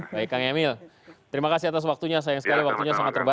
baik kang emil terima kasih atas waktunya sayang sekali waktunya sangat terbatas